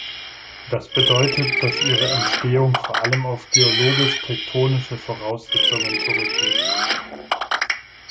Das bedeutet, dass ihre Entstehung vor allem auf geologisch-tektonische Voraussetzungen zurückgeht.